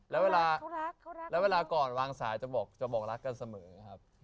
แล้วเวลาเขารักเขารักแล้วเวลาก่อนวางสายจะบอกจะบอกรักกันเสมอครับ